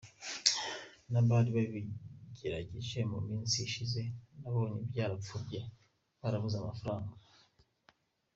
n’abari babigerageje mu minsi ishije nabonye byarapfuye, barabuze amafaranga.